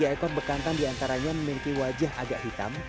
dari pengamatan fisik tiga ekor bekantan diantaranya memiliki wajah agak hitam